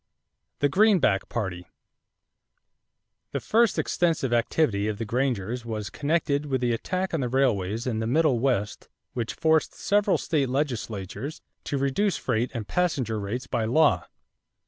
=The Greenback Party.= The first extensive activity of the Grangers was connected with the attack on the railways in the Middle West which forced several state legislatures to reduce freight and passenger rates by law.